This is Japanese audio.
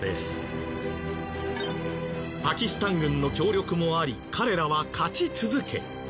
パキスタン軍の協力もあり彼らは勝ち続け